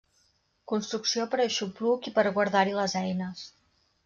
Construcció per aixopluc i per guardar-hi les eines.